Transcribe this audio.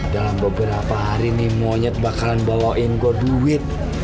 dalam beberapa hari nih monyet bakalan baloin gue duit